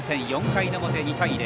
４回の表、２対０。